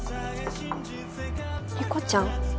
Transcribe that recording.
理子ちゃん！？